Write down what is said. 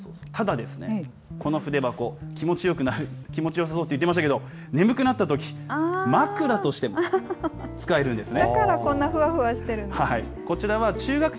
そうそう、ただこの筆箱、気持ちよさそうって言ってましたけど、眠くなったとき、枕としても使えるんですね。